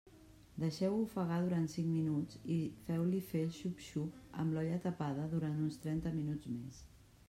Deixeu-ho ofegar durant cinc minuts i feu-li fer el xup-xup amb l'olla tapada durant uns trenta minuts més.